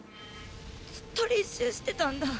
ずっと練習してたんだ。